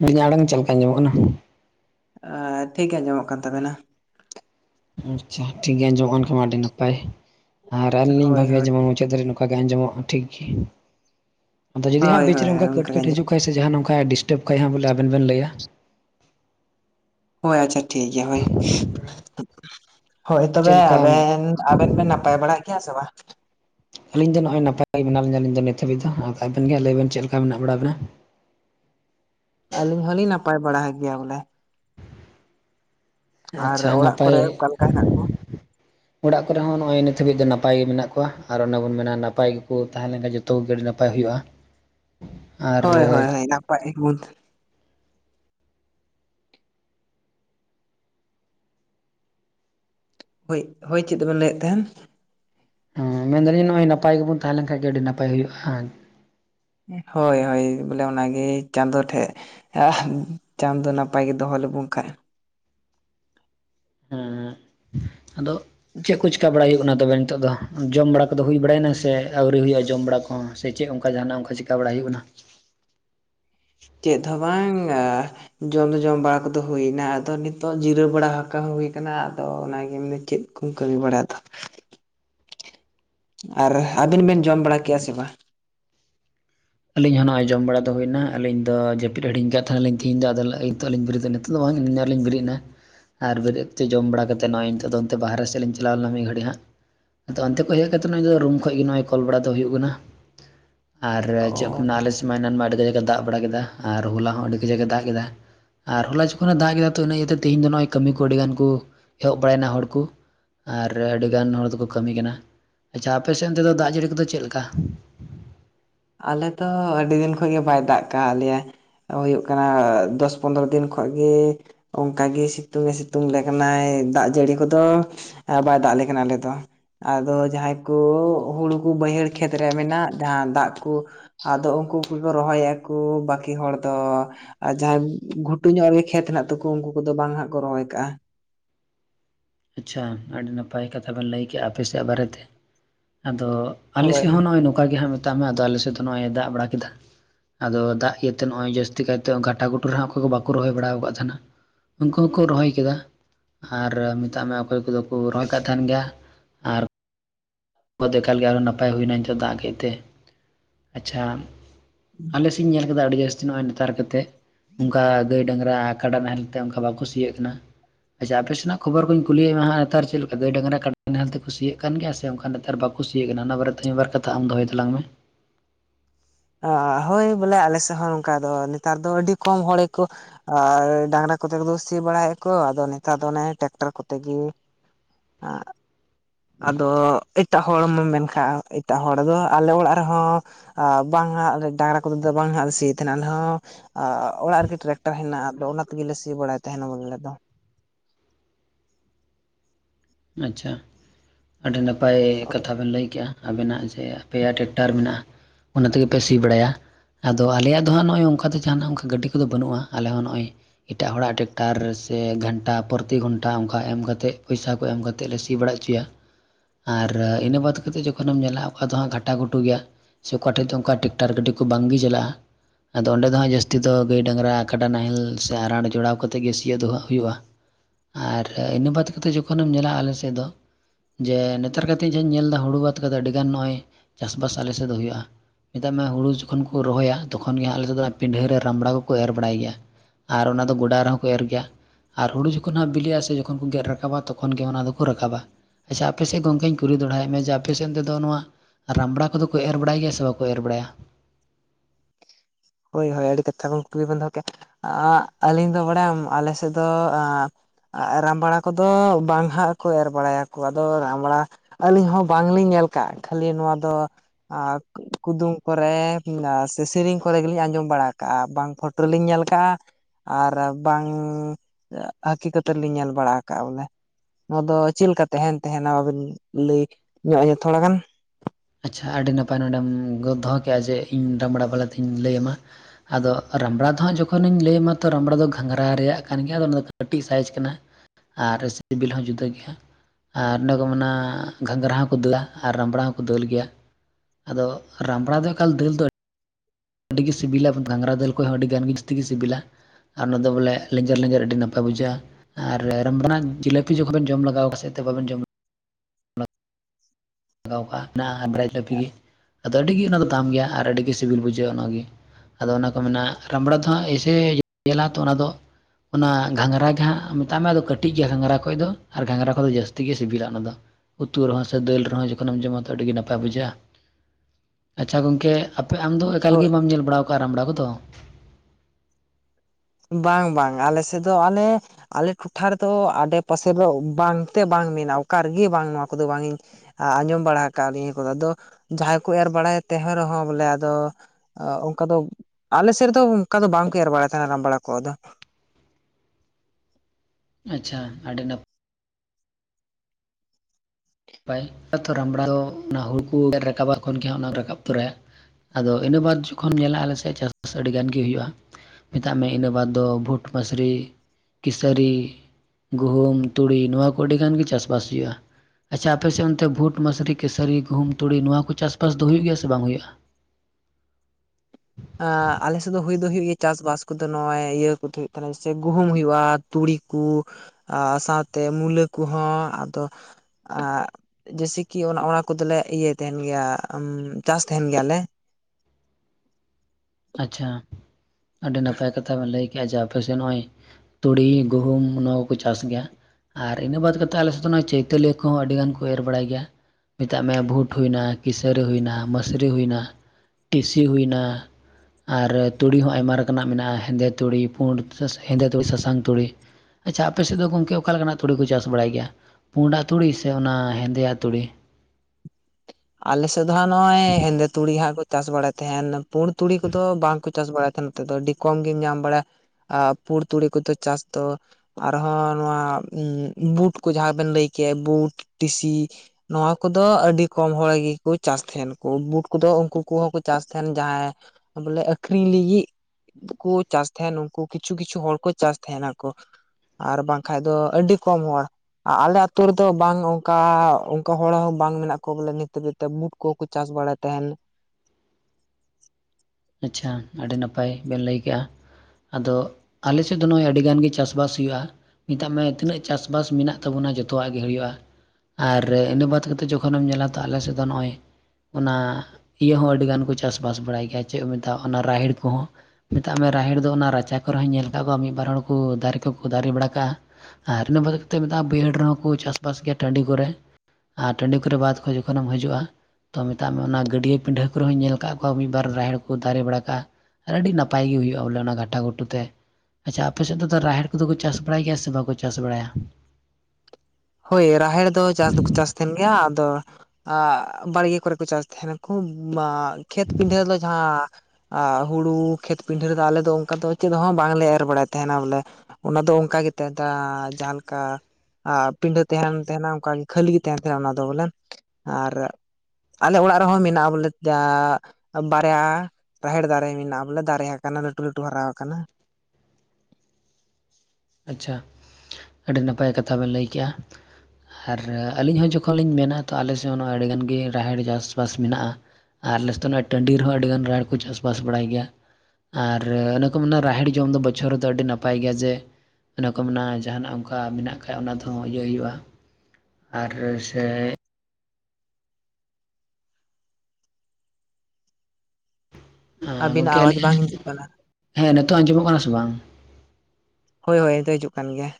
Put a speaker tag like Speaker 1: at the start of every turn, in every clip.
Speaker 1: ᱤᱧᱟᱜ ᱟᱲᱟᱝ ᱪᱮᱫ ᱞᱮᱠᱟ ᱟᱸᱡᱚᱢᱚᱜ ᱠᱟᱱᱟ
Speaker 2: ᱟᱨ ᱴᱷᱤᱠ ᱜᱮ ᱟᱸᱡᱚᱢᱚᱜ ᱠᱟᱱ ᱛᱟᱵᱮᱱᱟ
Speaker 1: ᱟᱪᱪᱷᱟ ᱴᱷᱤᱠᱜᱮ ᱟᱸᱡᱚᱢᱚᱜ ᱠᱟᱱ ᱠᱷᱟᱱ ᱢᱟ ᱟᱹᱰᱤ ᱱᱟᱯᱟᱭ ᱟᱨ ᱟᱞᱤᱧ
Speaker 2: ᱦᱳᱭ
Speaker 1: ᱵᱷᱟᱹᱵᱤᱭᱟ
Speaker 2: ᱦᱳᱭ
Speaker 1: ᱡᱮᱢᱚᱱ ᱢᱩᱪᱟᱹᱫ ᱫᱷᱟᱨᱤ ᱱᱚᱝᱠᱟ ᱚᱱᱠᱟ ᱟᱸᱡᱚᱢᱚᱜᱼᱟ ᱴᱷᱤᱠ ᱜᱮ ᱟᱫᱚ ᱡᱩᱫᱤ ᱦᱟᱜ
Speaker 2: ᱦᱳᱭ
Speaker 1: ᱵᱤᱪᱷᱨᱮ
Speaker 2: ᱦᱳᱭ ᱦᱳᱭ
Speaker 1: ᱚᱱᱠᱟ
Speaker 2: ᱜᱮ
Speaker 1: ᱠᱟᱴᱠᱟᱴ
Speaker 2: ᱟᱸᱡᱚᱢ
Speaker 1: ᱦᱤᱡᱩᱜ ᱦᱳᱭ ᱥᱮ ᱡᱟᱦᱟᱸ ᱱᱚᱝᱠᱟᱭ ᱰᱤᱥᱴᱟᱵᱽ ᱠᱷᱟᱡ ᱦᱟᱸᱜ ᱵᱚᱞᱮ ᱟᱵᱮᱱ ᱵᱮᱱ ᱞᱟᱹᱭᱟ
Speaker 2: ᱦᱳᱭ ᱟᱪᱪᱷᱟ ᱴᱷᱤᱠ ᱜᱮᱭᱟ ᱦᱳᱭ ᱦᱳᱭ ᱛᱚᱵᱮ
Speaker 1: ᱪᱮᱫ ᱞᱮᱠᱟ
Speaker 2: ᱟᱵᱮᱱ ᱟᱵᱤᱱ ᱵᱮᱱ ᱱᱟᱯᱟᱭ ᱵᱟᱲᱟᱜ ᱜᱮᱭᱟ ᱥᱮ ᱵᱟᱝ
Speaker 1: ᱟᱹᱞᱤᱧ ᱫᱚ ᱱᱚᱜᱼᱚᱭ ᱱᱟᱯᱟᱭ ᱜᱮ ᱢᱮᱱᱟᱜ ᱞᱤᱧᱟ ᱟᱞᱤᱧ ᱫᱚ ᱱᱤᱛ ᱦᱟᱹᱵᱤᱡ ᱫᱚ ᱟᱵᱮᱱ ᱜᱮ ᱞᱟᱹᱭ ᱵᱮᱱ ᱪᱮᱫ ᱞᱮᱠᱟ ᱢᱮᱱᱟᱜ ᱵᱟᱲᱟ ᱵᱮᱱᱟ
Speaker 2: ᱟᱹᱞᱤᱧ ᱦᱚᱞᱤᱧ ᱱᱟᱯᱟᱭ ᱵᱟᱲᱟ ᱜᱮᱭᱟ ᱵᱚᱞᱮ ᱟᱨ
Speaker 1: ᱟᱪᱪᱷᱟ
Speaker 2: ᱚᱲᱟᱜ ᱠᱚᱨᱮ
Speaker 1: ᱱᱟᱯᱟᱭ
Speaker 2: ᱚᱠᱟ ᱞᱮᱠᱟ ᱦᱮᱱᱟᱜ ᱠᱚᱣᱟ
Speaker 1: ᱚᱲᱟᱜ ᱠᱚᱨᱮᱦ ᱦᱚᱸ ᱱᱚᱜᱼᱚᱭ ᱱᱤᱛ ᱦᱟᱹᱵᱤᱡ ᱫᱚ ᱱᱟᱯᱟᱭ ᱜᱮ ᱢᱮᱱᱟᱜ ᱠᱚᱣᱟ ᱟᱨ ᱚᱱᱮ ᱵᱚᱱ ᱢᱮᱱᱟ ᱱᱟᱯᱟᱭ ᱜᱮᱠᱚ ᱛᱟᱦᱮ ᱞᱮᱱᱠᱷᱟᱱ ᱡᱚᱛ ᱛᱚ ᱟᱹᱰᱤ ᱱᱟᱯᱟᱭ ᱦᱩᱭᱩᱜᱼᱟ ᱟᱨ
Speaker 2: ᱦᱳᱭ ᱦᱳᱭ ᱱᱟᱯᱟᱭ [unintelligible] ᱦᱳᱭ ᱦᱳᱭ ᱪᱮᱫ ᱫᱚᱵᱤᱱ ᱞᱟᱹᱭᱮᱫ ᱛᱟᱦᱮᱱ
Speaker 1: ᱦᱮᱸ ᱢᱮᱱᱫᱟᱞᱤᱧ ᱱᱚᱜᱼᱚᱭ ᱱᱟᱯᱟᱭ ᱜᱮᱵᱚᱱ ᱛᱟᱦᱮᱸ ᱞᱮᱱ ᱠᱷᱟᱡ ᱜᱮ ᱟᱹᱰᱤ ᱱᱟᱯᱟᱭ ᱦᱩᱭᱩᱜᱼᱟ
Speaker 2: ᱦᱳᱭ ᱦᱳᱭ ᱵᱚᱞᱮ ᱚᱱᱟᱜᱮ ᱪᱟᱸᱫᱚ ᱴᱷᱮᱡ ᱦᱮᱸ ᱪᱟᱸᱫᱚ ᱱᱟᱯᱟᱭ ᱜᱮ ᱫᱚᱦᱚ ᱞᱮᱵᱚᱱ ᱠᱷᱟᱡ
Speaker 1: ᱦᱮᱸ ᱟᱫᱚ ᱪᱮᱫ ᱠᱚ ᱪᱤᱠᱟ ᱵᱟᱲᱟᱭ ᱦᱩᱭᱩᱜ ᱠᱟᱱᱟ ᱛᱚᱵᱮ ᱱᱤᱛᱚᱜ ᱫᱚ ᱡᱚᱢ ᱵᱟᱲᱟ ᱠᱚᱫᱚ ᱦᱩᱭ ᱵᱟᱲᱟᱭᱱᱟ ᱥᱮ ᱟᱹᱣᱨᱤ ᱦᱩᱭᱩᱜᱼᱟ ᱡᱚᱢ ᱵᱟᱲᱟ ᱠᱚᱦᱚᱸ ᱥᱮ ᱪᱮᱫ ᱚᱱᱠᱟ ᱡᱟᱦᱟᱱᱟᱜ ᱚᱱᱠᱟ ᱪᱤᱠᱟ ᱵᱟᱲᱟ ᱦᱩᱭᱩᱜ ᱠᱟᱱᱟ
Speaker 2: ᱪᱮᱫ ᱦᱚ ᱵᱟᱝ ᱡᱚᱢ ᱫᱚ ᱡᱚᱢ ᱵᱟᱲᱟ ᱠᱚᱫᱚ ᱦᱩᱭᱱᱟ ᱟᱫᱚ ᱱᱤᱛᱚᱜ ᱡᱤᱨᱟᱹᱣ ᱵᱟᱲᱟ ᱦᱟᱠᱟᱶ ᱦᱩᱭ ᱠᱟᱱᱟ ᱟᱫᱚ ᱚᱱᱟᱜᱮ ᱢᱮᱱᱫᱚ ᱪᱮᱫ [inaudible] ᱵᱟᱲᱟᱭ ᱫᱟ ᱟᱨ ᱟᱵᱤᱱ ᱵᱮᱱ ᱡᱚᱢ ᱵᱟᱲᱟ ᱠᱮᱜ-ᱟ ᱥᱮ ᱵᱟᱝ
Speaker 1: ᱟᱹᱞᱤᱧ ᱦᱚᱸ ᱱᱚᱜ-ᱚᱭ ᱡᱚᱢ ᱵᱟᱲᱟ ᱫᱚ ᱦᱩᱭᱱᱟ ᱟᱞᱤᱧ ᱫᱚ ᱡᱟᱹᱯᱤᱫ ᱦᱤᱲᱤᱧ ᱠᱟᱜ ᱛᱟᱦᱟᱞᱤᱧ ᱛᱮᱦᱮᱧ ᱫᱚ ᱟᱫᱚ ᱱᱤᱛᱚᱜ ᱞᱤᱧ ᱵᱤᱨᱮᱫ ᱮᱱᱟ ᱫᱚ ᱵᱟᱝ [unintelligible] ᱵᱮᱨᱮᱜᱱᱟ ᱟᱨ ᱵᱮᱨᱮᱫ ᱛᱮ ᱡᱚᱢ ᱵᱟᱲᱟ ᱠᱟᱛᱮᱫ ᱱᱚᱜᱼᱚᱭ ᱱᱤᱛᱚᱜ ᱫᱚ ᱚᱱᱛᱮ ᱵᱟᱦᱨᱮ ᱥᱮᱫ ᱤᱧ ᱪᱟᱞᱟᱣ ᱞᱮᱱᱟ ᱢᱤᱫ ᱜᱷᱟᱹᱲᱤᱡ ᱦᱟᱸᱜ ᱟᱫᱚ ᱚᱱᱛᱮ ᱠᱷᱚᱡ ᱦᱮᱡ ᱠᱟᱛᱮ ᱱᱚᱜᱼᱚᱭ ᱫᱚ ᱨᱩᱢ ᱠᱷᱚᱡ ᱜᱮ ᱱᱚᱜᱼᱚᱭ ᱠᱚᱞ ᱵᱟᱲᱟ ᱫᱚ ᱦᱩᱭᱩᱜ ᱠᱟᱱᱟ ᱟᱨ
Speaker 2: ᱚ
Speaker 1: ᱪᱮᱫ ᱠᱚ ᱢᱮᱱᱟ ᱟᱞᱮᱥᱮ ᱢᱟ ᱮᱱᱟᱱᱢᱟ ᱟᱹᱰᱤ ᱠᱟᱡᱟᱠᱮ ᱫᱟᱜ ᱵᱟᱲᱟ ᱠᱮᱫᱟ ᱟᱨ ᱦᱚᱞᱟ ᱦᱚᱸ ᱟᱹᱰᱤ ᱠᱟᱡᱟᱠᱮ ᱫᱟᱜ ᱠᱮᱫᱟ ᱟᱨ ᱦᱚᱞᱟ ᱡᱚᱠᱷᱚᱱᱮ ᱫᱟᱜ ᱠᱮᱫᱟ ᱛᱚ ᱤᱱᱟᱹ ᱤᱭᱟᱹᱛᱮ ᱛᱮᱦᱤᱧ ᱫᱚ ᱱᱚᱜᱼᱚᱭ ᱠᱟᱹᱢᱤ ᱠᱚ ᱟᱹᱰᱤᱜᱟᱱ ᱠᱚ ᱮᱦᱚᱵ ᱵᱟᱲᱟᱭᱱᱟ ᱦᱚᱲ ᱠᱚ ᱟᱨ ᱟᱹᱰᱤᱜᱟᱱ ᱦᱚᱲ ᱫᱚᱠᱚ ᱠᱟᱹᱢᱤ ᱠᱟᱱᱟ ᱟᱪᱪᱷᱟ ᱟᱯᱮ ᱥᱮᱫ ᱚᱱᱛᱮᱫᱚ ᱫᱟᱜ ᱡᱟᱹᱲᱤ ᱠᱚᱫᱚ ᱪᱮᱫ ᱞᱮᱠᱟ
Speaker 2: ᱟᱞᱮ ᱛᱚ ᱟᱹᱰᱤ ᱫᱤᱱ ᱠᱷᱚᱡ ᱜᱮ ᱵᱟᱭ ᱫᱟᱜ ᱠᱟᱜ ᱞᱮᱭᱟ ᱦᱩᱭᱩᱜ ᱠᱟᱱᱟ ᱫᱚᱥ ᱯᱚᱱᱨᱚ ᱫᱤᱱ ᱠᱷᱚᱡ ᱜᱮ ᱚᱱᱠᱟᱜᱮ ᱥᱤᱛᱩᱝᱮ ᱥᱤᱛᱩᱝ ᱞᱮ ᱠᱟᱱᱟᱭ ᱫᱟᱜ ᱡᱟᱹᱲᱤ ᱠᱚᱫᱚ ᱟᱨ ᱵᱟᱭ ᱫᱟᱜ ᱟᱞᱮ ᱠᱟᱱᱟ ᱟᱞᱮ ᱫᱚ ᱟᱫᱚ ᱡᱟᱦᱟᱸᱭ ᱠᱚ ᱦᱩᱲᱩ ᱠᱚ ᱵᱟᱹᱭᱦᱟᱹᱲ ᱠᱷᱮᱛᱨᱮ ᱢᱮᱱᱟᱜ ᱡᱟᱦᱟᱸ ᱫᱟᱜ ᱠᱚ [unintelligible] ᱟᱫᱚ ᱩᱱᱠᱩ ᱠᱚᱠᱚ ᱨᱚᱦᱚᱭᱟᱠᱚ ᱵᱟᱹᱠᱤ ᱦᱚᱲ ᱫᱚ ᱟᱨ ᱡᱟᱦᱟᱸᱭ ᱜᱷᱩᱴᱩ ᱧᱚᱜ ᱨᱮ ᱠᱷᱮᱛ ᱦᱮᱱᱟᱜ ᱛᱟᱠᱚ ᱩᱱᱠᱩ ᱠᱚᱫᱚ ᱵᱟᱝ ᱦᱟᱸᱜ ᱠᱚ ᱨᱚᱦᱚᱭ ᱠᱟᱜᱼᱟ
Speaker 1: ᱟᱪᱪᱷᱟ ᱟᱹᱰᱤ ᱱᱟᱯᱟᱭ ᱠᱟᱛᱷᱟ ᱵᱮᱱ ᱞᱟᱹᱭ ᱠᱮᱜᱼᱟ ᱟᱯᱮᱥᱮᱜ ᱵᱟᱨᱮᱛᱮ ᱟᱫᱚ
Speaker 2: ᱦᱳᱭ
Speaker 1: ᱟᱞᱮ
Speaker 2: ᱦᱳᱭ᱾
Speaker 1: ᱥᱮᱫ ᱦᱚᱸ ᱱᱚᱜ ᱚᱭ ᱱᱚᱝᱠᱟ ᱜᱮ ᱦᱟᱸᱜ ᱢᱮᱛᱟᱜ ᱢᱮ ᱟᱫᱚ ᱟᱞᱮᱥᱮᱫ ᱫᱚ ᱱᱚᱜᱼᱚᱭ ᱫᱟᱜ ᱵᱟᱲᱟ ᱠᱮᱫᱟ ᱟᱫᱚ ᱫᱟᱜ ᱤᱭᱟᱹᱛᱮ ᱱᱚᱜ ᱚᱭ ᱡᱟᱹᱥᱛᱤ ᱠᱟᱭᱛᱮ ᱜᱟᱴᱟ ᱜᱩᱴᱩ ᱨᱮᱦᱚᱸ ᱚᱠᱚᱭ ᱠᱚ ᱵᱟᱠᱚ ᱨᱚᱦᱚᱭ ᱵᱟᱲᱟ ᱠᱟᱫ ᱛᱟᱦᱮᱱᱟ ᱩᱱᱠᱩ ᱦᱚᱸᱠᱚ ᱨᱚᱦᱚᱭ ᱠᱮᱫᱟ ᱟᱨ ᱢᱮᱛᱟᱜ ᱢᱮ ᱚᱠᱚᱭ ᱠᱚᱫᱚ ᱠᱚ ᱨᱚᱦᱚᱭ ᱠᱟᱜ ᱛᱟᱦᱮᱱ ᱜᱮᱭᱟ ᱟᱨ ᱫᱚ ᱮᱠᱟᱞ ᱜᱮᱭᱟ ᱟᱨᱚ ᱱᱟᱯᱟᱭ ᱦᱩᱭᱱᱟ ᱱᱤᱛᱚᱜ ᱫᱟᱜ ᱠᱮᱫ ᱛᱮ ᱟᱪᱪᱷᱟ ᱟᱞᱮᱥᱮᱫ ᱤᱧ ᱧᱮᱞ ᱟᱹᱰᱤ ᱡᱟᱹᱥᱛᱤ ᱱᱚᱜᱼᱚᱭ ᱱᱮᱛᱟᱨ ᱠᱟᱛᱮᱜ ᱚᱱᱠᱟ ᱜᱟᱹᱭ ᱰᱟᱝᱨᱟ ᱠᱟᱰᱟ ᱱᱟᱦᱮᱞᱛᱮ ᱚᱱᱠᱟ ᱵᱟᱠᱚ ᱥᱤᱭᱟᱹᱜ ᱠᱟᱱᱟ ᱟᱪᱪᱷᱟ ᱟᱯᱮ ᱥᱮᱱᱟᱜ ᱠᱷᱚᱵᱚᱨ ᱠᱚᱧ ᱠᱩᱞᱤᱭᱮᱫ ᱢᱮ ᱦᱟᱜ ᱱᱮᱛᱟᱨ ᱪᱮᱫ ᱞᱮᱠᱟ ᱜᱟᱹᱭ ᱰᱟᱝᱨᱟ ᱠᱟᱰᱟ ᱱᱟᱦᱮᱞᱛᱮ ᱠᱩ ᱥᱤᱭᱮᱜ ᱠᱟᱱ ᱜᱮᱭᱟ ᱥᱮ ᱚᱱᱠᱟ ᱱᱮᱛᱟᱨ ᱵᱟᱠᱚ ᱥᱤᱭᱮᱜ ᱠᱟᱱᱟ ᱚᱱᱟ ᱵᱟᱨᱮᱛᱮ ᱢᱤᱫ ᱵᱟᱨ ᱠᱟᱛᱷᱟ ᱟᱢ ᱫᱚᱦᱚᱭ ᱛᱟᱞᱟᱝ ᱢᱮ
Speaker 2: ᱦᱳᱭ ᱵᱚᱞᱮ ᱟᱞᱮ ᱥᱮᱫ ᱦᱚᱸ ᱱᱚᱝᱠᱟ ᱫᱚ ᱱᱮᱛᱟᱨ ᱫᱚ ᱟᱹᱰᱤ ᱠᱚᱢ ᱦᱚᱲ ᱜᱮᱠᱚ ᱟᱨ ᱰᱟᱝᱨᱟ ᱠᱚᱛᱮ ᱠᱚᱫᱚ ᱥᱤ ᱵᱟᱲᱟᱭᱮᱜ ᱟᱠᱚ ᱟᱫᱚ ᱱᱮᱛᱟᱨ ᱫᱚ ᱚᱱᱮ ᱴᱮᱠᱴᱟᱨ ᱠᱚᱛᱮ ᱜᱮ [unintelligible] ᱟᱫᱚ ᱮᱴᱟᱜ ᱦᱚᱲᱢ ᱢᱮᱱᱠᱷᱟᱱ ᱮᱴᱟᱜ ᱦᱚᱲ ᱫᱚ ᱟᱞᱮ ᱚᱲᱟᱜ ᱨᱮᱦᱚᱸ ᱵᱟᱝ ᱦᱟᱜ ᱟᱞᱮ ᱰᱟᱝᱨᱟ ᱠᱚᱫᱚ ᱫᱚ ᱵᱟᱝ ᱦᱟᱸᱜ ᱞᱮ ᱥᱤᱭᱮᱫ ᱛᱟᱦᱮᱱᱟ ᱟᱞᱮᱦᱚᱸ ᱚᱲᱟᱜ ᱨᱮᱜᱮ ᱴᱨᱟᱠᱴᱟᱨ ᱦᱮᱱᱟᱜᱼᱟ ᱟᱫᱚ ᱚᱱᱟ ᱛᱮᱜᱮ ᱥᱤ ᱵᱟᱲᱟᱭ ᱛᱟᱦᱮᱱᱟ ᱵᱚᱞᱮ ᱫᱚ
Speaker 1: ᱟᱪᱪᱷᱟ ᱟᱹᱰᱤ ᱱᱟᱯᱟᱭ ᱠᱟᱛᱷᱟ ᱵᱮᱱ ᱞᱟᱹᱭ ᱠᱮᱜᱼᱟ ᱟᱵᱮᱱᱟᱜ ᱡᱮ ᱟᱯᱮᱭᱟᱜ ᱴᱮᱠᱴᱟᱨ ᱢᱮᱱᱟᱜᱼᱟ ᱚᱱᱟ ᱛᱮᱜᱮ ᱯᱮ ᱥᱤ ᱵᱟᱲᱟᱭᱟ ᱟᱫᱚ ᱟᱞᱮᱭᱟᱜ ᱫᱚ ᱦᱟᱸᱜ ᱱᱚᱜᱼᱚᱭ ᱚᱱᱠᱟ ᱡᱟᱦᱟᱱᱟᱜ ᱚᱱᱠᱟ ᱜᱟᱹᱰᱤ ᱠᱚᱫᱚ ᱵᱟᱹᱱᱩᱜᱼᱟ ᱟᱞᱮ ᱦᱚᱸ ᱱᱚᱜ ᱚᱭ ᱮᱴᱟᱜ ᱦᱚᱲᱟᱜ ᱴᱨᱟᱠᱴᱟᱨ ᱥᱮ ᱜᱷᱚᱱᱴᱟ ᱯᱨᱚᱛᱤ ᱜᱷᱚᱱᱴᱟ ᱚᱱᱠᱟ ᱮᱢ ᱠᱟᱛᱮ ᱯᱚᱭᱥᱟ ᱠᱚ ᱠᱚ ᱮᱢ ᱠᱟᱛᱮᱫ ᱞᱮ ᱥᱤ ᱵᱟᱲᱟ ᱚᱪᱚᱭᱟ ᱟᱨ ᱤᱱᱟᱹ ᱵᱟᱫ ᱠᱟᱛᱮᱫ ᱡᱚᱠᱷᱚᱱᱮᱢ ᱧᱮᱞᱟ ᱚᱠᱟ ᱫᱚ ᱦᱟᱸᱜ ᱜᱷᱟᱴᱟ ᱜᱷᱩᱴᱩ ᱜᱮᱭᱟ ᱥᱮ ᱚᱠᱟ ᱴᱷᱮᱱ ᱫᱚ ᱚᱱᱠᱟ ᱴᱠᱴᱟᱨ ᱜᱟᱹᱰᱤ ᱠᱚ ᱵᱟᱝᱜᱮ ᱪᱟᱞᱟᱜᱼᱟ ᱟᱫᱚ ᱚᱸᱰᱮ ᱫᱚ ᱦᱟᱸᱜ ᱡᱟᱹᱥᱛᱤ ᱫᱚ ᱜᱟᱹᱭ ᱰᱟᱝᱨᱟ ᱠᱟᱰᱟ ᱱᱟᱦᱮᱞ ᱥᱮ ᱟᱨᱴ ᱡᱚᱲᱟᱣ ᱠᱟᱛᱮ ᱜᱮ ᱥᱤᱭᱳᱜ ᱫᱚᱦᱟᱜ ᱦᱩᱭᱩᱜᱼᱟ ᱟᱨ ᱤᱱᱟᱹ ᱵᱟᱫ ᱠᱟᱛᱮᱫ ᱡᱚᱠᱷᱚᱱᱮᱢ ᱧᱮᱞᱟ ᱟᱞᱮ ᱥᱮᱫ ᱫᱚ ᱡᱮ ᱱᱮᱛᱟᱨ ᱠᱟᱛᱮᱜ ᱡᱟᱦᱟᱸ ᱤᱧ ᱧᱮᱞ ᱮᱫᱟ ᱦᱩᱲᱩ ᱵᱟᱫ ᱠᱟᱛᱮᱫ ᱟᱹᱰᱤ ᱜᱟᱱ ᱱᱚᱜ ᱚᱭ ᱪᱟᱥᱵᱟᱥ ᱟᱞᱮ ᱥᱮᱫ ᱫᱚ ᱦᱩᱭᱩᱜᱼᱟ ᱢᱮᱛᱟᱜ ᱢᱮ ᱦᱩᱲᱩ ᱡᱚᱠᱷᱚᱱ ᱠᱚ ᱨᱚᱦᱚᱭᱟ ᱛᱚᱠᱷᱚᱱ ᱜᱮ ᱟᱞᱮᱥᱮᱫ ᱫᱚ ᱚᱱᱟ ᱯᱤᱰᱷᱟᱹᱮ ᱨᱟᱢᱵᱟᱲᱟ ᱠᱚᱠᱚ ᱮᱨ ᱵᱟᱲᱟᱭ ᱜᱮᱭᱟ ᱟᱨ ᱚᱱᱟ ᱫᱚ ᱜᱚᱰᱟ ᱨᱮᱦᱚᱸ ᱠᱚ ᱮᱨ ᱜᱮᱭᱟ ᱟᱨ ᱦᱩᱲᱩ ᱡᱚᱠᱷᱚᱱ ᱦᱟᱸᱜ ᱵᱤᱞᱤᱜᱼᱟ ᱥᱮ ᱡᱚᱠᱷᱚᱱ ᱠᱚ ᱜᱮᱫ ᱨᱟᱠᱟᱵᱟ ᱛᱚᱠᱷᱚᱱ ᱛᱚᱠᱷᱚᱱ ᱜᱮ ᱚᱱᱟ ᱫᱚᱠᱚ ᱨᱟᱠᱟᱵᱟ ᱟᱪᱪᱷᱟ ᱟᱯᱮ ᱥᱮᱫ ᱜᱚᱝᱠᱧ ᱠᱩᱞᱤ ᱫᱚᱲᱟᱭᱮᱫ ᱢᱮᱭᱟ ᱡᱮ ᱟᱯᱮ ᱥᱮᱫ ᱛᱮᱫᱚ ᱱᱚᱣᱟ ᱨᱟᱢᱲᱟ ᱠᱚᱫᱚ ᱠᱚ ᱮᱨ ᱵᱟᱲᱟᱭ ᱜᱮᱭᱟ ᱥᱮ ᱵᱟᱠᱚ ᱮᱨ ᱵᱟᱲᱟᱭᱟ
Speaker 2: ᱦᱳᱭ ᱦᱳᱭ ᱟᱹᱰᱤ ᱠᱟᱛᱷᱟ [unintelligible] ᱟᱹᱞᱤᱧ ᱫᱚ ᱵᱟᱲᱟᱭᱟᱢ ᱟᱞᱮ ᱥᱮᱫ ᱫᱚ ᱨᱟᱢᱵᱟᱲᱟ ᱠᱚᱫᱚ ᱵᱟᱝ ᱦᱟᱸᱜ ᱠᱚ ᱮᱨ ᱵᱟᱲᱟᱭᱟᱠᱚ ᱟᱫᱚ ᱨᱟᱢᱵᱟᱲᱟ ᱟᱹᱞᱤᱧ ᱦᱚᱸ ᱵᱟᱝᱞᱤᱧ ᱧᱮᱞ ᱠᱟᱜ ᱠᱷᱟᱹᱞᱤ ᱱᱚᱣᱟ ᱫᱚ ᱟᱨ ᱠᱩᱫᱩᱢ ᱠᱚᱨᱮ ᱥᱮ ᱥᱮᱨᱮᱧ ᱠᱚ ᱠᱚᱨᱮ ᱜᱮᱞᱤᱧ ᱟᱸᱡᱚᱢ ᱵᱟᱲᱟ ᱠᱟᱜᱼᱟ ᱵᱟᱝ ᱯᱷᱳᱚᱴᱳ ᱞᱤᱧ ᱧᱮᱞ ᱠᱟᱜᱼᱟ ᱟᱨ ᱵᱟᱝ ᱦᱟᱹᱠᱤ ᱠᱟᱛᱮ ᱞᱤᱧ ᱧᱮᱞ ᱵᱟᱲᱟ ᱟᱠᱟᱜᱼᱟ ᱵᱚᱞᱮ ᱱᱚᱣᱟ ᱫᱚ ᱪᱮᱫ ᱞᱮᱠᱟ ᱛᱟᱦᱮᱱ ᱛᱟᱦᱮᱸ ᱱᱚᱣᱟᱵᱤᱱ ᱞᱟᱹᱭ ᱧᱚᱜᱼᱟᱹ ᱛᱷᱚᱲᱟ ᱜᱟᱱ
Speaker 1: ᱟᱪᱪᱷᱟ ᱟᱹᱰᱤ ᱱᱟᱯᱟᱭ ᱱᱚᱸᱰᱮᱢ ᱫᱚᱦᱚ ᱠᱮᱜᱼᱟ ᱡᱮ ᱤᱧ ᱫᱟᱢᱲᱟ ᱵᱟᱞᱮ ᱛᱤᱧ ᱞᱟᱹᱭ ᱟᱢᱟ ᱟᱫᱚ ᱨᱟᱢᱲᱟ ᱫᱚ ᱦᱟᱸᱜ ᱡᱚᱠᱷᱚᱱᱤᱧ ᱞᱟᱹᱭ ᱟᱢᱟ ᱛᱚ ᱨᱟᱢᱲᱟ ᱫᱚ ᱜᱷᱟᱸᱜᱽᱨᱟ ᱨᱮᱭᱟᱜ ᱠᱟᱱ ᱜᱮᱭᱟ ᱟᱫᱚ ᱚᱱᱟ ᱫᱚ ᱠᱟᱹᱴᱤᱡ ᱥᱟᱭᱤᱡᱽ ᱠᱟᱱᱟ ᱟᱨ ᱥᱤ ᱥᱤᱵᱤᱞ ᱦᱚᱸ ᱡᱩᱫᱟᱹ ᱜᱮᱭᱟ ᱟᱨ ᱚᱸᱰᱮ ᱠᱚ ᱢᱮᱱᱟ ᱜᱷᱟᱸᱜᱨᱟ ᱦᱚᱸ ᱠᱚ ᱫᱟᱹᱞ ᱟᱨ ᱨᱟᱢᱵᱲᱟ ᱦᱚᱸ ᱫᱟᱹᱞ ᱜᱮᱭᱟ ᱟᱫᱚ ᱨᱟᱢᱲᱟ ᱫᱚ ᱮᱠᱟᱞ ᱫᱟᱹᱞ ᱫᱚ ᱟᱹᱰᱤ ᱜᱮ ᱥᱤᱵᱤᱞᱟ ᱜᱷᱟᱝᱨᱟ ᱫᱟᱹᱞ ᱠᱷᱚᱱ ᱦᱚᱸᱚᱸ ᱟᱹᱰᱤ ᱜᱟᱱ ᱜᱮ ᱡᱟᱹᱥᱛᱤᱜ ᱜᱮ ᱥᱤᱵᱤᱞᱟ ᱟᱨ ᱚᱱᱟ ᱫᱚ ᱵᱚᱞᱮ ᱞᱮᱸᱡᱮᱨ ᱞᱮᱸᱡᱮᱨ ᱟᱹᱰᱤ ᱱᱟᱯᱟᱭ ᱵᱩᱡᱷᱟᱹᱜᱼᱟ ᱟᱨ [unintelligible] ᱡᱤᱞᱟᱹᱯᱤ ᱡᱚᱠᱷᱚᱱ ᱵᱮᱱ ᱡᱚᱢ ᱞᱮᱟᱜᱟᱣ ᱵᱟᱵᱮᱱ ᱡᱚᱢ ᱞᱮ ᱞᱟᱜᱟᱣ ᱠᱟᱜ ᱢᱮᱱᱟᱜᱼᱟ ᱞᱯᱤ ᱜᱮ [unintelligible] ᱟᱫᱚ ᱟᱹᱰᱤᱜᱮ ᱚᱱᱟ ᱫᱚ ᱫᱟᱢ ᱜᱮᱭᱟ ᱟᱨ ᱟᱹᱰᱤᱜᱮ ᱥᱤᱵᱤᱞ ᱵᱩᱡᱷᱟᱹᱜᱼᱟ ᱚᱱᱟᱜᱮ ᱟᱫᱚ ᱚᱱᱟ ᱠᱚ ᱢᱮᱱᱟ ᱨᱟᱢᱲᱟ ᱫᱚᱦᱟᱸᱜ ᱮᱭᱥᱮ ᱧᱮᱞᱟ ᱛᱚ ᱚᱱᱟ ᱫᱚ ᱚᱱᱟ ᱜᱷᱟᱸᱝᱨᱟ ᱜᱮ ᱦᱟᱸᱜ ᱢᱮᱛᱟᱜ ᱢᱮ ᱟᱫᱚ ᱠᱟᱹᱴᱤᱡ ᱜᱮᱭᱟ ᱜᱷᱟᱸᱝᱨᱟ ᱠᱷᱚᱱ ᱫᱚ ᱟᱨ ᱜᱷᱟᱸᱝᱨᱟ ᱠᱷᱚᱱ ᱫᱚ ᱡᱟᱹᱥᱛᱤ ᱜᱮ ᱥᱤᱵᱤᱞᱟ ᱚᱱᱟ ᱫᱚ ᱩᱛᱩ ᱨᱮᱚᱸ ᱥᱮ ᱫᱟᱹᱞ ‌ᱨᱮᱦᱚ ᱚᱮᱢ ᱡᱚᱢᱟ ᱛᱚ ᱟᱹᱰᱤ ᱱᱟᱯᱟᱭ ᱵᱩᱡᱷᱟᱹᱜᱼᱟ ᱟᱪᱪᱷᱟ ᱜᱚᱝᱠᱮ ᱟᱯᱮ ᱟᱢ ᱫᱚ
Speaker 2: ᱦᱳᱭ
Speaker 1: ᱮᱠᱟᱞᱜᱮ ᱵᱟᱢ ᱧᱮᱞ ᱵᱟᱲᱟ ᱠᱟ ᱨᱟᱢᱲᱟᱜ ᱠᱚ ᱫᱚ
Speaker 2: ᱵᱟᱝ ᱵᱟᱝ ᱟᱞᱮ ᱥᱮᱫ ᱫᱚ ᱟᱞᱮ ᱟᱞᱮ ᱴᱚᱴᱷᱟ ᱨᱮᱫᱚ ᱟᱰᱮ ᱯᱟᱥᱮ ᱫᱚ ᱵᱟᱝᱛᱮ ᱵᱟᱝ ᱢᱮ ᱚᱠᱟᱨᱜᱮ ᱵᱟᱝ ᱱᱚᱣᱟ ᱠᱚᱫᱚ ᱵᱟᱝ ᱤᱧ ᱟᱸᱡᱚᱢ ᱵᱟᱲᱟ ᱠᱟᱜ ᱱᱤᱭᱟᱹ ᱠᱚᱫᱚ ᱡᱟᱦᱟᱸᱭ ᱠᱚ ᱮᱨ ᱵᱟᱲᱟᱭ ᱛᱟᱦᱮᱸ ᱨᱮᱦᱚᱸ ᱵᱚᱞᱮ ᱟᱫᱚ ᱚᱱᱠᱟ ᱫᱚ ᱟᱞᱮ ᱥᱮᱫ ᱨᱮᱫᱚ ᱚᱱᱠᱟ ᱫᱚ ᱵᱟᱝ ᱠᱚ ᱮᱨ ᱵᱟᱲᱟᱭᱮᱫ ᱛᱟᱦᱮᱱᱟ ᱨᱟᱢᱵᱟᱲᱟ ᱠᱚ ᱫᱚ
Speaker 1: ᱟᱪᱪᱷᱟ ᱟᱹᱰᱤ ᱱᱟᱯᱟᱭ ᱱᱟᱯᱟᱭ ᱛᱚ ᱨᱟᱢᱲᱟ ᱫᱚ ᱚᱱᱟ ᱦᱩᱲᱩ ᱨᱟᱠᱟᱵᱟ ᱠᱷᱚᱱ ᱜᱮᱟᱸᱜ ᱚᱱᱟ ᱨᱟᱠᱟᱵ ᱛᱚᱨᱟᱭᱟ ᱟᱫᱚ ᱤᱱᱟᱹ ᱵᱟᱫ ᱡᱚᱠᱷᱚᱱ ᱧᱮᱞᱟ ᱟᱞᱮ ᱥᱮᱫ ᱪᱟᱥᱵᱟᱥ ᱟᱹᱰᱤ ᱜᱟᱱ ᱜᱮ ᱦᱩᱭᱩᱜᱼᱟ ᱢᱮᱛᱟᱜ ᱢᱮ ᱤᱱᱟᱹ ᱵᱟᱫᱽ ᱫᱚ ᱵᱷᱩᱴ ᱢᱟᱹᱥᱨᱤ ᱠᱮᱥᱟᱹᱨᱤ ᱜᱩᱦᱩᱢ ᱛᱩᱲᱤ ᱱᱚᱣᱟ ᱠᱚ ᱟᱹᱰᱤ ᱜᱟᱱ ᱜᱮ ᱪᱟᱥᱵᱟᱥ ᱦᱩᱭᱩᱜᱼᱟ ᱟᱪᱪᱷᱟ ᱟᱯᱮᱥᱮᱫ ᱚᱱᱛᱮ ᱵᱷᱩᱴ ᱢᱟᱥᱨᱤ ᱠᱥᱟᱹᱨᱤ ᱜᱷᱩᱢ ᱛᱩᱲᱤ ᱱᱚᱣᱟ ᱠᱚ ᱪᱟᱥᱵᱟᱥ ᱫᱚ ᱦᱩᱭᱩᱜ ᱜᱮᱭᱟ ᱥᱮ ᱵᱟᱝ ᱦᱩᱭᱩᱜᱼᱟ
Speaker 2: ᱟᱸ ᱟᱞᱮᱥᱮᱫ ᱫᱚ ᱦᱩᱭ ᱫᱚ ᱦᱩᱭᱩᱜ ᱜᱮ ᱪᱟᱥᱵᱟᱥ ᱠᱚᱫᱚ ᱱᱚᱜᱼᱚᱭ ᱤᱭᱟᱹ ᱠᱚᱫᱚ ᱦᱩᱭᱩᱜ ᱛᱟᱦᱮᱱᱟ ᱡᱮᱭᱥᱮ ᱜᱩᱦᱩᱢ ᱦᱩᱭᱩᱜᱼᱟ ᱛᱩᱲᱤ ᱠᱚ [inaudible] ᱟᱨ ᱥᱟᱶᱛᱮ ᱢᱩᱞᱟᱹ ᱠᱚᱦᱚᱸ ᱟᱫᱚ ᱟᱸ [inaudible] ᱡᱮᱮᱥᱮ ᱠᱤ ᱚᱱᱟ ᱚᱱᱟ ᱠᱚᱫᱚᱞᱮ ᱤᱭᱟᱹᱭ ᱛᱟᱦᱮᱱ ᱜᱮᱭᱟ [unintelligible] ᱪᱟᱥ ᱛᱟᱦᱮᱱ ᱜᱮᱭᱟᱞᱮ
Speaker 1: ᱟᱪᱪᱷᱟ [inaudible] ᱟᱹᱰᱤ ᱱᱟᱯᱟᱭ ᱠᱟᱛᱷᱟ ᱵᱮᱱ ᱞᱟᱹᱭ ᱠᱮᱜᱼᱟ ᱡᱮ ᱟᱯᱮᱥ ᱱᱚᱜᱼᱚᱭ ᱛᱩᱲᱤ ᱜᱩᱦᱩᱢ ᱱᱚᱣᱟ ᱠᱚ ᱪᱟᱥ ᱜᱮᱭᱟ ᱟᱨ ᱤᱱᱟᱹ ᱵᱟᱫ ᱠᱟᱛᱮᱫ ᱟᱞᱮ ᱥᱮᱫ ᱫᱚ ᱱᱚᱜ ᱪᱟ. ᱭᱛᱟ. ᱞᱤ ᱠᱚᱦᱚᱸ ᱟᱹᱰᱤᱜᱟᱱ ᱠᱚ ᱮᱨ ᱵᱟᱲᱟᱭ ᱜᱮᱭᱟ ᱢᱮᱛᱟᱜ ᱢᱮ ᱵᱷᱩᱴ ᱦᱩᱭᱱᱟ ᱠᱤᱥᱟᱹᱨᱤ ᱦᱩᱭᱱᱟ ᱢᱟᱥᱨᱤ ᱦᱩᱭᱱᱟ ᱴᱤᱥᱤ ᱦᱩᱭᱱᱟ ᱟᱨ ᱛᱩᱲᱤ ᱦᱚᱸ ᱟᱭᱢᱟ ᱨᱮᱠᱟᱱᱟᱜ ᱢᱮᱱᱟᱜᱼᱟ ᱦᱮᱸᱫᱮ ᱛᱩᱲᱤ ᱯᱩᱰ [unintelligible] ᱦᱮᱸᱫᱮ ᱛᱩᱲᱤ ᱥᱟᱥᱟᱝ ᱛᱩᱲᱤ ᱟᱪᱪᱷᱟ ᱟᱯᱮ ᱥᱮᱫ ᱫᱚ ᱜᱚᱝᱠᱮ ᱚᱠᱟ ᱞᱮᱠᱟᱱᱟᱜ ᱛᱩᱲᱤ ᱠᱚ ᱪᱟᱥ ᱵᱟᱲᱟᱭ ᱜᱮᱭᱟ ᱯᱩᱸᱰᱟ-ᱜ ᱛᱩᱲᱤ ᱥᱮ ᱚᱱᱟ ᱦᱮᱸᱫᱮᱭᱟᱼᱜ ᱛᱩᱲᱤ
Speaker 2: [inaudible] ᱟᱞᱮᱥᱮᱫ ᱫᱚᱦᱟᱜ ᱱᱚᱼᱚᱭ ᱦᱮᱸᱫᱮ ᱛᱩᱲᱤ ᱦᱟᱸᱜ ᱠᱚ ᱪᱟᱥ ᱵᱟᱲᱟᱭ ᱛᱟᱦᱮᱱ ᱯᱩᱲ ᱛᱩᱲᱤ ᱠᱚᱫᱚ ᱵᱟᱝᱠᱚ ᱪᱟᱥ ᱵᱟᱲᱟᱭ ᱛᱟᱦᱮᱸᱱ ᱱᱚᱛᱮ ᱫᱚ ᱟᱹᱰᱤ ᱠᱚᱢ ᱜᱤᱧ ᱧᱟᱢ ᱵᱟᱲᱟᱭ ᱟ ᱯᱩᱲ ᱛᱩᱲᱤ ᱠᱚᱫᱚ ᱪᱟᱥ ᱫᱚ ᱟᱨᱦᱚᱸ ᱱᱚᱣᱟ [unintelligible] ᱵᱩᱴ ᱠᱚ ᱡᱟᱦᱟᱸ ᱵᱮᱱ ᱞᱟᱹᱭ ᱠᱮ-ᱟ ᱵᱩᱴ ᱴᱤᱥᱤ ᱱᱚᱣᱟ ᱠᱚᱫᱚ ᱟᱹᱰᱤ ᱠᱚᱢ ᱦᱚᱲ ᱜᱮᱠᱚ ᱪᱟᱥ ᱛᱟᱦᱮᱱ ᱠᱚ ᱵᱩᱴ ᱠᱚᱫᱚ ᱩᱱᱠᱩ ᱠᱚᱦᱚᱸᱠᱚ ᱪᱟᱥ ᱛᱟᱦᱮᱱ ᱡᱟᱦᱟᱸᱭ ᱵᱚᱞᱮ ᱟᱠᱷᱨᱤᱧ ᱞᱟᱹᱜᱤᱫ ᱵᱟᱠᱩ ᱪᱟᱥ ᱛᱟᱦᱮᱱ ᱩᱱᱠᱩ ᱠᱤᱪᱷᱩ ᱠᱤᱪᱷᱩ ᱦᱚᱲ ᱠᱚ ᱪᱟᱥ ᱛᱟᱦᱮᱱᱟᱠᱚ ᱟᱨ ᱵᱟᱝᱠᱷᱟᱱ ᱫᱚ ᱟᱹᱰᱤ ᱠᱚᱢ ᱦᱚᱲ ᱟᱞᱮ ᱟᱹᱛᱩ ᱨᱮᱫᱚ ᱵᱟᱝ ᱚᱱᱠᱟ ᱚᱱᱠᱟ ᱦᱚᱲ ᱦᱚᱸ ᱵᱟᱝ ᱢᱮᱱᱟᱜ ᱠᱚ ᱵᱚᱞᱮ ᱱᱤᱛ ᱦᱟᱹᱵᱤᱡᱛᱮ ᱵᱩᱴ ᱠᱚᱦᱚᱸ ᱠᱚ ᱪᱟᱥ ᱵᱟᱲᱟᱭ ᱛᱟᱦᱮᱱ
Speaker 1: ᱟᱪᱪᱷᱟ ᱟᱹᱰᱤ ᱱᱟᱯᱟᱭ ᱵᱮᱱ ᱞᱟᱹᱭ ᱠᱮᱜᱼᱟ ᱟᱫᱚ ᱟᱞᱮ ᱥᱮᱫ ᱫᱚ ᱱᱚᱜᱼᱚᱭ ᱟᱹᱰᱤ ᱜᱟᱱ ᱜᱮ ᱪᱟᱥᱵᱟᱥ ᱦᱩᱭᱩᱜᱼᱟ ᱢᱮᱛᱟᱜ ᱢᱮ ᱛᱤᱱᱟᱹᱜ ᱪᱟᱥᱵᱟᱥ ᱢᱮᱱᱟᱜ ᱛᱟᱵᱚᱱᱟ ᱡᱚᱛᱚᱣᱟᱜ ᱜᱮ ᱦᱩᱭᱩᱜᱼᱟ ᱟᱨ ᱤᱱᱟᱹ ᱵᱟᱫ ᱠᱟᱛᱮᱫ ᱡᱚᱠᱷᱚᱱᱮᱢ ᱧᱮᱞᱟ ᱛᱚ ᱟᱞᱮ ᱥᱮᱫ ᱫᱚ ᱱᱚᱜᱼᱚᱭ ᱚᱱᱟ ᱤᱭᱟᱹ ᱦᱚᱸ ᱟᱹᱰᱤᱜᱟᱱ ᱠᱚ ᱪᱟᱥ ᱵᱟᱥ ᱵᱟᱲᱟᱭ ᱜᱮᱭᱟ ᱪᱮᱫ ᱠᱚ ᱢᱮᱛᱟᱜᱼᱟ ᱚᱱᱟ ᱨᱟᱦᱮᱲ ᱠᱚᱦᱚᱸ ᱢᱮᱛᱟᱜ ᱢᱮ ᱨᱟᱦᱮᱲ ᱫᱚ ᱚᱱᱟ ᱨᱟᱪᱟ ᱠᱚᱨᱮ ᱦᱚᱸᱧ ᱧᱮᱞ ᱠᱟᱜ ᱠᱚᱣᱟ ᱢᱤᱫ ᱵᱟᱨ ᱦᱚᱲ ᱠᱚ ᱫᱟᱨᱮ ᱠᱚᱠᱚ ᱫᱟᱨᱮ ᱵᱟᱲᱟ ᱠᱟᱜᱼᱟ ᱟᱨ ᱤᱱᱟᱹ ᱵᱟᱫ ᱠᱟᱛᱮᱫ ᱢᱮᱛᱟᱜ ᱵᱟᱹᱭᱦᱟᱹᱲ ᱨᱮᱦᱚᱸ ᱠᱚ ᱪᱟᱥᱵᱟᱥ ᱜᱮᱭᱟ ᱴᱟᱺᱰᱤ ᱠᱚᱨᱮ ᱟᱨ ᱴᱟᱺᱰᱤ ᱠᱚᱨᱮ ᱵᱟᱫ ᱠᱷᱚᱱ ᱡᱚᱠᱷᱚᱱᱮᱢ ᱦᱤᱡᱩᱜᱼᱟ ᱛᱚ ᱢᱮᱛᱟᱜ ᱢᱮ ᱚᱱᱟ ᱜᱟᱹᱰᱭᱟᱹ ᱯᱤᱰᱷᱟᱹ ᱠᱚᱨᱮ ᱦᱚᱧ ᱧᱮᱞ ᱟᱠᱟᱫ ᱠᱚᱣᱟ ᱢᱤᱫ ᱵᱟᱨ ᱨᱟᱦᱮᱲ ᱠᱚ ᱠᱚ ᱫᱟᱨᱮ ᱵᱟᱲᱟ ᱠᱟᱜᱼᱟ ᱟᱨ ᱟᱹᱰᱤ ᱱᱟᱯᱟᱭ ᱜᱮ ᱦᱩᱭᱩᱜᱼᱟ ᱵᱚᱞᱮ ᱚᱱᱟ ᱜᱷᱟᱴᱟ ᱜᱷᱩᱴᱩ ᱛᱮ ᱟᱪᱪᱷᱟ ᱟᱯᱮ ᱥᱮᱫ ᱫᱚ ᱨᱟᱦᱮᱲ ᱠᱚᱫᱚ ᱠᱚ ᱪᱟᱥ ᱵᱟᱲᱟᱭ ᱜᱮᱭᱟ ᱥᱮ ᱵᱟᱠᱚ ᱪᱟᱥ ᱵᱟᱲᱟᱭᱟ
Speaker 2: ᱦᱳᱭ ᱨᱟᱦᱮᱲ ᱫᱚ ᱪᱟᱥ ᱫᱚᱠᱚ ᱪᱟᱥ ᱛᱟᱦᱮᱱ ᱜᱮᱭᱟ ᱟᱫᱚ ᱟ ᱵᱟᱲᱜᱮ ᱠᱚᱨᱮ ᱠᱚ ᱪᱟᱥ ᱛᱟᱦᱮᱱᱟᱠᱚ [unintelligible] ᱠᱷᱮᱛ ᱯᱤᱰᱷᱟᱹ ᱫᱚ ᱡᱟᱦᱟᱸ ᱟ ᱦᱩᱲᱩ ᱠᱷᱮᱛ ᱯᱤᱰᱷᱟᱹ ᱨᱮᱫᱚ ᱟᱞᱮ ᱫᱚ ᱚᱱᱠᱟ ᱫᱚ ᱪᱮᱫ ᱦᱚᱸ ᱵᱟᱝᱞᱮ ᱮᱨ ᱵᱟᱲᱟᱭᱮᱫ ᱛᱟᱦᱮᱱᱟ ᱵᱚᱞᱮ ᱚᱱᱟ ᱫᱚ ᱚᱱᱠᱟ ᱜᱮ ᱛᱟᱦᱮᱱ ᱛᱟᱦᱮᱸᱟ ᱡᱟᱦᱟᱸᱞᱮᱠᱟ [unintelligible] ᱯᱤᱰᱟᱹ ᱛᱟᱦᱮᱱ ᱛᱟᱦᱮᱱᱟ ᱚᱱᱠᱟᱜᱮ ᱠᱷᱟᱹᱞᱤ ᱜᱮ ᱛᱟᱦᱮᱱ ᱛᱟᱦᱮᱱᱟ ᱚᱱᱟ ᱫᱚ ᱵᱚᱞᱮ ᱟᱨ ᱟᱞᱮ ᱚᱲᱟᱜ ᱨᱮᱦᱚᱸ ᱢᱮᱱᱟᱜᱼᱟ ᱵᱚᱞᱮ [unintelligible] ᱵᱟᱨᱭᱟ ᱨᱟᱦᱮᱲ ᱫᱟᱨᱮ ᱢᱮᱱᱟᱜᱼᱟ ᱵᱚᱞᱮ ᱫᱟᱨᱮ ᱟᱠᱟᱱᱟ ᱞᱟᱹᱴᱩ ᱞᱟᱹᱴᱩ ᱦᱟᱨᱟ ᱟᱠᱟᱱᱟ
Speaker 1: ᱟᱪᱪᱷᱟ [unintelligible] ᱟᱹᱰᱤ ᱱᱟᱯᱟᱭ ᱠᱟᱛᱷᱟ ᱵᱮᱱ ᱞᱟᱹᱭ ᱠᱮᱜᱼᱟ ᱟᱨ ᱟᱹᱞᱤᱧ ᱦᱚᱸ ᱡᱚᱠᱷᱚᱱ ᱞᱤᱧ ᱢᱮᱱᱟ ᱛᱚ ᱟᱞᱮ ᱥᱮᱫ ᱦᱚᱸ ᱟᱹᱰᱤᱜᱟᱱ ᱜᱮ ᱨᱟᱦᱮᱲ ᱪᱟᱥ ᱵᱟᱥ ᱢᱮᱱᱟᱜᱼᱟ ᱟᱨᱞᱮᱥ ᱫᱚ ᱴᱟᱺᱰᱤ ᱨᱮᱦᱚᱸ ᱟᱹᱰᱤ ᱜᱟᱱ ᱨᱟᱦᱮᱲ ᱠᱚ ᱪᱟᱥ ᱵᱟᱥ ᱵᱟᱲᱟᱭ ᱜᱮᱭᱟ ᱟᱨ ᱤᱱᱟᱹ ᱠᱚ ᱢᱮᱱᱟ ᱨᱟᱦᱮᱲ ᱡᱚᱢ ᱫᱚ ᱵᱚᱪᱷᱚᱨ ᱨᱮᱫᱚ ᱟᱹᱰᱤ ᱱᱟᱯᱟᱭ ᱜᱮᱭᱟ ᱡᱮ ᱚᱱᱟ ᱠᱚ ᱢᱮᱱᱟ ᱡᱟᱦᱟᱱᱟᱜ ᱚᱱᱠᱟ ᱢᱮᱱᱟᱜ ᱠᱷᱟᱱ ᱚᱱᱟ ᱛᱮᱦᱚᱸ ᱤᱭᱟᱹ ᱦᱩᱭᱩᱜᱼᱟ ᱟᱨ ᱥᱮ [unintelligible]
Speaker 2: ᱟᱹᱵᱤᱱᱟᱜ
Speaker 1: ᱜᱚᱝᱠᱮ
Speaker 2: ᱟᱣᱟᱡᱽ
Speaker 1: ᱟᱹᱞᱤᱧ
Speaker 2: ᱵᱟᱝ
Speaker 1: ᱧᱟᱜ
Speaker 2: ᱦᱤᱡᱩᱜ ᱠᱟᱱᱟ
Speaker 1: [inaudible] ᱦᱮᱸ ᱱᱤᱛᱚᱜ ᱟᱸᱡᱚᱢᱚᱜ ᱠᱟᱱᱟ ᱥᱮ ᱵᱟᱝ
Speaker 2: ᱦᱳᱭ ᱦᱳᱭ ᱱᱤᱛᱚᱜ ᱦᱤᱡᱩᱜ ᱠᱟᱱ ᱜᱮᱭᱟ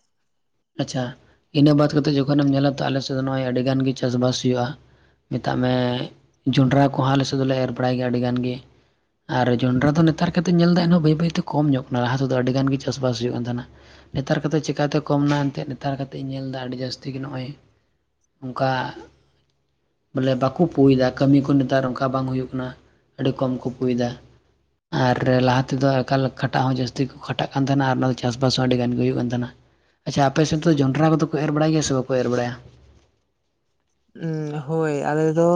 Speaker 1: ᱟᱪᱪᱷᱟ [inaudible] ᱤᱱᱟᱹ ᱵᱟᱫ ᱠᱟᱛᱮᱫ ᱡᱚᱠᱷᱚᱱᱮᱢ ᱧᱮᱞᱟ ᱛᱚ ᱟᱞᱮ ᱥᱮᱫ ᱫᱚ ᱱᱚᱜᱚᱭ ᱟᱹᱰᱤ ᱜᱟᱱ ᱜᱮ ᱪᱟᱥ ᱵᱟᱥ ᱦᱩᱭᱩᱜᱼᱟ ᱢᱮᱛᱟᱜ ᱢᱮ ᱡᱚᱱᱰᱨᱟ ᱠᱚᱦᱚᱸ ᱟᱞᱮ ᱥᱮᱫ ᱫᱚᱞᱮ ᱮᱨ ᱵᱟᱲᱟᱭ ᱜᱮᱭᱟ ᱟᱹᱰᱤ ᱜᱟᱱ ᱜᱮ ᱾ ᱟᱨ ᱡᱚᱱᱰᱨᱟ ᱫᱚ ᱱᱮᱛᱟᱨ ᱠᱟᱛᱮᱫ ᱧᱮᱞ ᱮᱫᱟ ᱮᱱᱦᱚᱸ ᱵᱟᱹᱭ ᱵᱟᱹᱭᱛᱮ ᱠᱚᱢ ᱧᱚᱜ ᱠᱟᱱᱟ ᱞᱟᱦᱟ ᱥᱮᱫ ᱫᱚ ᱟᱹᱰᱤᱜᱟᱱ ᱜᱮ ᱪᱟᱥᱵᱟᱥ ᱦᱩᱭᱩᱜ ᱠᱟᱱ ᱛᱟᱦᱮᱱᱟ ᱾ ᱱᱮᱛᱟᱨ ᱠᱟᱛᱮᱫ ᱪᱤᱠᱟᱛᱮ? ᱠᱚᱢ ᱮᱱᱟ ᱮᱱᱛᱮᱫ ᱱᱮᱛᱟᱨ ᱠᱟᱛᱮ ᱤᱧ ᱧᱮᱞ ᱮᱫᱟ ᱟᱹᱰᱤ ᱡᱟᱹᱥᱛᱤ ᱜᱮ ᱱᱚᱜᱼᱚᱭ ᱚᱱᱠᱟ ᱾ ᱵᱚᱞᱮ ᱵᱟᱠᱚ ᱯᱳᱭᱫᱟ ᱠᱟᱢᱤ ᱠᱚ ᱱᱮᱛᱟᱨ ᱚᱱᱠᱟ ᱵᱟᱝ ᱦᱳᱭᱚᱜ ᱠᱟᱱᱟ ᱟᱹᱰᱤ ᱠᱚᱢ ᱠᱚ ᱯᱩᱭᱮᱫᱟ ᱾ ᱟᱨ ᱞᱟᱦᱟ ᱛᱮᱫᱚ ᱮᱠᱟᱞ ᱠᱷᱟᱴᱟᱜ ᱦᱚᱸ ᱡᱟᱹᱥᱛᱤ ᱠᱚ ᱠᱷᱟᱴᱟᱜ ᱠᱟᱱ ᱛᱟᱦᱮᱱᱟ ᱟᱨ ᱚᱱᱟ ᱫᱚ ᱪᱟᱥᱵᱟᱥ ᱦᱚᱸ ᱟᱹᱰᱤ ᱜᱟᱱ ᱜᱮ ᱦᱩᱭᱩᱜ ᱠᱟᱱ ᱛᱟᱦᱮᱱᱟ ᱾ ᱟᱪᱪᱷᱟ ᱟᱯᱮ ᱥᱮᱫ ᱫᱚ ᱡᱚᱱᱰᱟᱨᱟ ᱠᱚᱫᱚ ᱠᱚ ᱮᱨ ᱵᱟᱲᱟᱭ ᱜᱮᱭᱟ ᱥᱮ ᱵᱟᱠᱚ ᱮᱨ ᱵᱟᱲᱟᱭᱟ?
Speaker 2: ᱦᱳᱭ ᱟᱞᱮ ᱫᱚ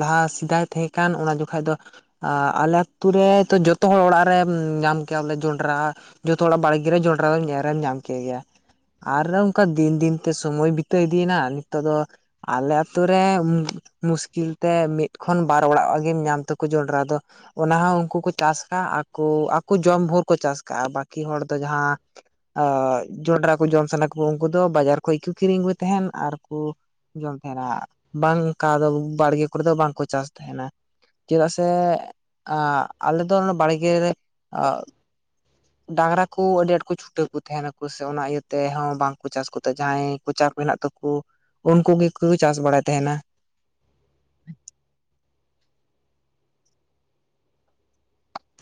Speaker 2: ᱞᱟᱦᱟ ᱥᱮᱫᱟᱭ ᱛᱟᱦᱮᱸ ᱠᱟᱱ ᱚᱱᱟ ᱡᱚᱠᱷᱟᱡ ᱫᱚ ᱟᱞᱮ ᱟᱹᱛᱩ ᱨᱮ ᱡᱚᱛᱚ ᱦᱚᱲ ᱚᱲᱟᱜ ᱨᱮᱢ ᱧᱟᱢ ᱠᱮᱭᱟ ᱵᱚᱞᱮ ᱡᱚᱱᱰᱟᱨᱟ ᱾ ᱡᱚᱛᱚ ᱦᱚᱲᱟᱜ ᱵᱟᱲᱜᱮ ᱨᱮ ᱡᱚᱱᱰᱟᱨᱟ ᱮᱨ ᱮᱢ ᱧᱟᱢ ᱠᱮᱜᱮᱭᱼᱟ ᱾ ᱟᱨ ᱚᱝᱠᱟ ᱫᱤᱱ ᱫᱤᱱ ᱛᱮ ᱥᱚᱢᱳᱭ ᱵᱤᱛᱟᱹ ᱤᱫᱤ ᱮᱱᱟ ᱱᱤᱛᱚᱜ ᱫᱚ ᱟᱞᱮ ᱟᱹᱛᱳ ᱨᱮ ᱢᱩᱥᱠᱤᱞ ᱛᱮ ᱢᱤᱫ ᱠᱷᱚᱱ ᱵᱟᱨ ᱚᱲᱟᱜ ᱜᱮᱢ ᱧᱟᱢ ᱛᱟᱠᱚ ᱡᱚᱱᱰᱟᱨᱟ ᱫᱚ ᱾ ᱚᱱᱟ ᱦᱚᱸ ᱩᱱᱠᱩ ᱠᱚ ᱪᱟᱥ ᱠᱟᱜᱼᱟ ᱟᱠᱚ ᱟᱠᱚ ᱡᱚᱢ ᱵᱷᱳᱨ ᱠᱚ ᱪᱟᱥ ᱠᱟᱜᱼᱟ ᱵᱟᱹᱠᱤ ᱦᱚᱲ ᱫᱚ ᱡᱟᱸᱦᱟ ᱾ ᱡᱚᱱᱰᱟᱨᱟ ᱠᱚ ᱡᱚᱢ ᱥᱟᱱᱟ ᱠᱩ ᱩᱱᱠᱩ ᱫᱚ ᱵᱟᱡᱟᱨ ᱠᱷᱚᱱ ᱠᱚ ᱠᱤᱨᱤᱧ ᱟᱜᱩᱭ ᱛᱟᱦᱮᱱ ᱟᱨ ᱠᱩ ᱡᱚᱢ ᱛᱟᱦᱮᱱᱟ ᱵᱟᱝ ᱠᱟ ᱫᱚ ᱵᱟᱲᱜᱮ ᱠᱚᱨᱮ ᱫᱚ ᱵᱟᱝ ᱠᱚ ᱪᱟᱥ ᱛᱟᱦᱮᱱᱟ ᱾ ᱪᱮᱫᱟᱜ ᱥᱮ ᱟᱞᱮ ᱫᱚ ᱵᱟᱲᱜᱮ ᱨᱮ [unintelligible] ᱰᱟᱝᱨᱟ ᱠᱚ ᱟᱹᱰᱤ ᱟᱸᱴ ᱠᱚ ᱪᱷᱩᱴᱟᱹᱣ ᱠᱚ ᱛᱟᱦᱮᱱᱟ ᱠᱚ ᱥᱮ ᱚᱱᱟ ᱤᱭᱟᱹ ᱛᱮᱦᱚᱸ ᱵᱟᱝ ᱠᱚ ᱪᱟᱥ ᱠᱚᱛᱮ ᱡᱟᱸᱦᱟᱭ ᱾ ᱯᱚᱪᱟᱨ ᱦᱮᱸᱱᱟᱜ ᱛᱟᱠᱩ ᱩᱱᱠᱩ ᱜᱮᱠᱚ ᱪᱟᱥ ᱵᱟᱲᱟᱭ ᱛᱟᱦᱮᱱᱟ ᱾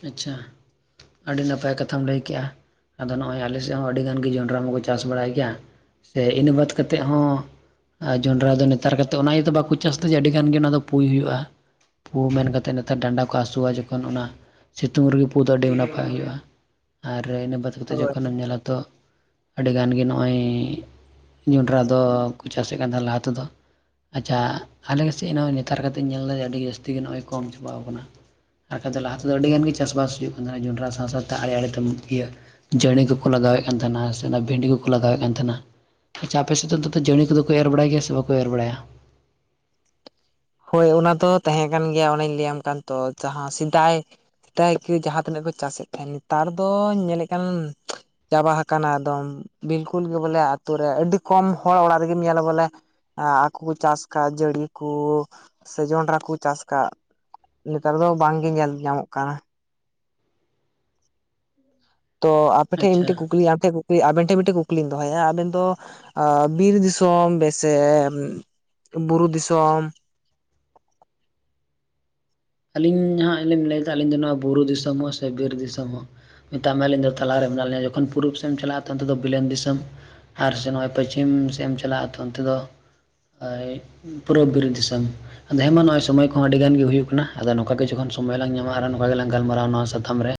Speaker 1: ᱟᱪᱪᱷᱟ, ᱟᱹᱰᱤ ᱱᱟᱯᱟᱭ ᱠᱟᱛᱷᱟᱢ ᱞᱟᱹᱭ ᱠᱮᱜᱼᱟ ᱾ ᱟᱫᱚ ᱱᱚᱜᱼᱚᱭ ᱟᱞᱮ ᱥᱮᱫ ᱦᱚᱸ ᱟᱹᱰᱤ ᱜᱟᱱ ᱜᱮ ᱡᱚᱱᱟᱰᱨᱟ ᱢᱟᱠᱚ ᱪᱟᱥ ᱵᱟᱲᱟᱭ ᱜᱮᱭᱟ ᱥᱮ ᱤᱱᱟᱹ ᱵᱟᱫ ᱠᱟᱛᱮᱫ ᱦᱚᱸ ᱟᱨ ᱡᱚᱱᱟᱰᱨᱟ ᱫᱚ ᱱᱮᱛᱟᱨ ᱠᱟᱛᱮᱫ ᱚᱱᱟ ᱤᱭᱟᱹᱛᱮ ᱵᱟᱠᱚ ᱪᱟᱥ ᱫᱟ ᱡᱮ ᱟᱹᱰᱤ ᱜᱟᱱ ᱜᱮ ᱚᱱᱟ ᱫᱚ ᱯᱩᱭ ᱦᱩᱭᱩᱜᱼᱟ ᱾ ᱯᱩ ᱢᱮᱱ ᱠᱟᱛᱮᱫ ᱱᱮᱛᱟᱨ ᱰᱟᱸᱱᱰᱟ ᱠᱚ ᱦᱟᱹᱥᱩᱣᱟ ᱡᱚᱠᱷᱚᱱ ᱚᱱᱟ ᱥᱤᱛᱩᱝ ᱨᱮ ᱜᱮ ᱯᱩ ᱫᱚ ᱟᱹᱰᱤ ᱱᱟᱯᱟᱭ ᱦᱩᱭᱩᱜᱼᱟ ᱟᱨ ᱤᱱᱟᱹ ᱵᱟᱫ ᱠᱟᱛᱮᱫ
Speaker 2: ᱦᱳᱭ
Speaker 1: ᱡᱚᱠᱷᱚᱱ ᱮᱢ ᱧᱮᱞᱟ ᱛᱚ ᱟᱹᱰᱤ ᱜᱟᱱ ᱜᱮ ᱱᱚᱜᱼᱚᱭ ᱡᱚᱱᱰᱟᱨᱟ ᱫᱚᱠᱚ ᱪᱟᱥ ᱮᱫ ᱠᱟᱱ [unintelligible] ᱞᱟᱦᱟ ᱛᱮ ᱫᱚ ᱾ ᱟᱪᱪᱷᱟ, ᱟᱞᱮ ᱜᱮᱥᱮᱡ ᱱᱚᱜᱼᱚᱭ ᱱᱮᱛᱟᱨ ᱠᱟᱛᱮᱧ ᱧᱮᱞ ᱫᱟ ᱟᱹᱰᱤ ᱡᱟᱹᱥᱛᱤ ᱜᱮ ᱱᱚᱜᱼᱚᱭ ᱠᱚᱢ ᱪᱟᱵᱟᱣ ᱠᱟᱱᱟ ᱾ ᱟᱨ ᱞᱟᱦᱟ ᱛᱮᱫᱚ ᱟᱹᱰᱤ ᱜᱟᱱ ᱜᱮ ᱪᱟᱥ ᱵᱟᱥ ᱦᱩᱭᱩᱜ ᱠᱟᱱ ᱡᱚᱱᱰᱟᱨᱟ ᱥᱟᱶ ᱥᱟᱶ ᱛᱮ ᱟᱲᱮ ᱟᱲᱮ ᱛᱮᱢ ᱤᱭᱟᱹ ᱡᱮᱸᱲᱮ ᱠᱚ ᱠᱚ ᱞᱟᱜᱟᱣ ᱮᱫ ᱠᱟᱱ ᱛᱟᱦᱮᱱᱟ ᱥᱮ ᱚᱱᱟ ᱵᱷᱤᱰᱤ ᱠᱚ ᱠᱚ ᱞᱟᱜᱟᱣ ᱮᱫ ᱠᱟᱱ ᱛᱟᱦᱮᱱᱟ ᱾ ᱟᱪᱪᱷᱟ ᱟᱯᱮ [unintelligible] ᱫᱚ ᱡᱮᱸᱲᱮ ᱠᱚᱫᱚ ᱠᱚ ᱮᱨ ᱵᱟᱲᱟᱭ ᱜᱮᱭᱟ ᱥᱮ ᱵᱟᱠᱚ ᱮᱨ ᱵᱟᱲᱟᱭᱼᱟ?
Speaker 2: ᱦᱳᱭ ᱚᱱᱟ ᱫᱚ ᱛᱟᱦᱮ ᱠᱟᱱ ᱜᱮᱭᱟ ᱚᱸᱱᱮᱧ ᱞᱟᱹᱭ ᱟᱢ ᱠᱟᱱ ᱛᱚ ᱡᱟᱸᱦᱟ ᱥᱤᱫᱟᱭ [unintelligible] ᱡᱟᱦᱟ ᱛᱤᱱᱟᱹᱜ ᱠᱚ ᱪᱟᱥ ᱮᱫ ᱛᱟᱦᱮᱱ ᱱᱮᱛᱟᱨ ᱫᱚ ᱧᱮᱞ ᱮᱫ ᱠᱟᱱ ᱪᱟᱵᱟ ᱦᱟᱠᱟᱱᱟ ᱟᱫᱚᱢ ᱵᱤᱞᱠᱩᱞ ᱜᱮ ᱵᱚᱞᱮ ᱟᱛᱳ ᱨᱮ ᱟᱹᱰᱤ ᱠᱚᱢ ᱦᱚᱲ ᱚᱲᱟᱜ ᱨᱮ ᱜᱮᱢ ᱧᱮᱞᱟ ᱵᱚᱞᱮ ᱟᱠᱚ ᱠᱩ ᱪᱟᱥ ᱠᱟᱜ ᱡᱟᱹᱲᱤ ᱠᱩ ᱥᱮ ᱡᱚᱱᱰᱟᱨᱟ ᱠᱚ ᱪᱟᱥ ᱠᱟᱜ ᱱᱮᱛᱟᱨ ᱫᱚ ᱵᱟᱝ ᱜᱮ ᱧᱮᱞ ᱧᱟᱢᱚᱜ ᱠᱟᱱᱟ ᱾ ᱛᱚ ᱟᱯᱮ ᱴᱷᱮᱡ ᱢᱤᱫ
Speaker 1: ᱟᱪᱪᱷᱟ
Speaker 2: ᱴᱮᱡ ᱠᱩᱠᱞᱤ ᱟᱢ ᱴᱷᱮᱡ ᱟᱵᱮᱱ ᱴᱷᱮᱱ ᱢᱤᱫ ᱴᱮᱱ ᱠᱩᱠᱞᱤᱧ ᱫᱚᱦᱚᱭᱼᱟ ᱟᱵᱮᱱ ᱫᱚ ᱵᱤᱨ ᱫᱤᱥᱚᱢ ᱵᱮᱥᱮ [unintelligible] ᱵᱩᱨᱩ ᱫᱤᱥᱚᱢ?
Speaker 1: ᱟᱹᱞᱤᱧ ᱦᱟᱸᱜ [unintelligible] ᱫᱟᱞᱤᱧ ᱫᱚ ᱱᱚᱣᱟ ᱵᱩᱨᱩ ᱫᱤᱥᱚᱢ ᱦᱚᱸ ᱥᱮ ᱵᱤᱨ ᱫᱤᱥᱚᱢ ᱦᱚᱸ ᱾ ᱢᱮᱛᱟᱜ ᱢᱮ ᱟᱹᱞᱤᱧ ᱫᱚ ᱛᱟᱞᱟ ᱨᱮ ᱢᱮᱱᱟᱜ ᱞᱤᱧᱟ ᱡᱚᱠᱷᱚᱱ ᱯᱩᱨᱩᱵ ᱥᱮᱫ ᱮᱢ ᱪᱟᱞᱟᱜᱼᱟ ᱛᱚᱠᱷᱚᱱ ᱫᱚ ᱵᱤᱞᱮᱱ ᱫᱤᱥᱚᱢ ᱾ ᱟᱨ ᱥᱮ ᱱᱚᱜᱼᱚᱭ ᱯᱟᱪᱷᱤᱢ ᱥᱮᱜ ᱮᱢ ᱪᱟᱞᱟᱜᱼᱟ ᱛᱚ ᱚᱱᱛᱮ ᱫᱚ ᱯᱩᱨᱟᱹ ᱵᱩᱨᱩ ᱫᱤᱥᱚᱢ ᱟᱫᱚ ᱦᱮᱸᱢᱟ ᱱᱚᱜᱼᱚᱭ ᱥᱚᱢᱳᱭ ᱠᱚᱦᱚᱸ ᱟᱹᱰᱤ ᱜᱟᱱ ᱜᱮ ᱦᱩᱭᱩᱜ ᱠᱟᱱᱟ ᱾ ᱟᱫᱚ ᱱᱚᱝᱠᱟ ᱜᱮ ᱡᱚᱠᱷᱚᱱ ᱥᱚᱢᱳᱭ ᱞᱟᱝ ᱧᱟᱢᱟ ᱟᱨ ᱱᱚᱝᱠᱟ ᱜᱮ ᱞᱟᱝ ᱜᱟᱞ ᱢᱟᱨᱟᱣᱟ ᱱᱚᱣᱟ ᱥᱟᱛᱟᱢ ᱨᱮ,